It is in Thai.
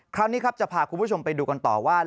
คราวนี้ครับจะพาคุณผู้ชมไปดูกันต่อว่า